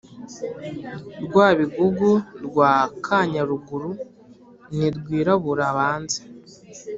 Rwabigugu rwa Kanyaruguru ni Rwirabura-banze